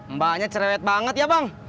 mbaknya cerewet banget ya bang